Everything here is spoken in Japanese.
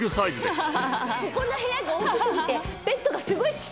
すごい。